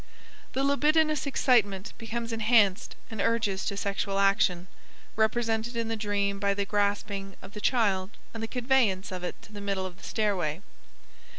The libidinous excitement becomes enhanced and urges to sexual action (represented in the dream by the grasping of the child and the conveyance of it to the middle of the stairway).